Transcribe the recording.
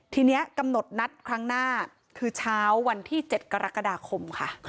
ทีนี้กำหนดนัดครั้งหน้าคือเช้าวันที่๗กรกฎาคมค่ะ